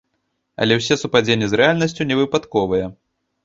Але ўсе супадзенні з рэальнасцю невыпадковыя!